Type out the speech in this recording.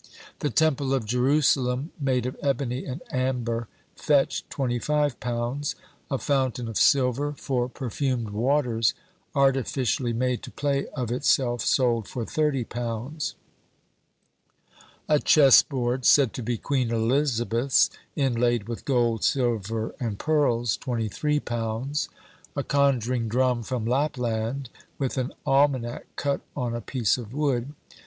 The Temple of Jerusalem, made of ebony and amber, fetched £25. A fountain of silver, for perfumed waters, artificially made to play of itself, sold for £30. A chess board, said to be Queen Elizabeth's, inlaid with gold, silver, and pearls, £23. A conjuring drum from Lapland, with an almanac cut on a piece of wood.